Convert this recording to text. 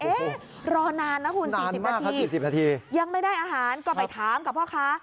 รอนานนะคุณ๔๐นาที๔๐นาทียังไม่ได้อาหารก็ไปถามกับพ่อค้า